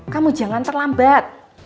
kamu jangan terlambat